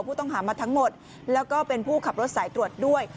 ผู้ต้องหามาทั้งหมดแล้วก็เป็นผู้ขับรถสายตรวจด้วย